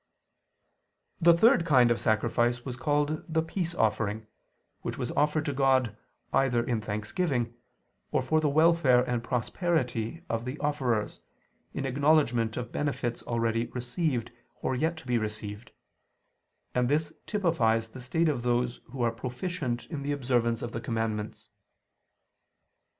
The third kind of sacrifice was called the "peace offering," which was offered to God, either in thanksgiving, or for the welfare and prosperity of the offerers, in acknowledgment of benefits already received or yet to be received: and this typifies the state of those who are proficient in the observance of the commandments.